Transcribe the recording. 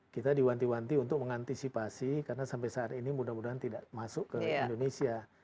kita diwanti wanti untuk mengantisipasi karena sampai saat ini mudah mudahan tidak masuk ke indonesia